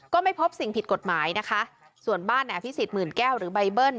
ก็ไม่พบสิ่งผิดกฎหมายนะคะส่วนบ้านในอภิษฎหมื่นแก้วหรือใบเบิ้ล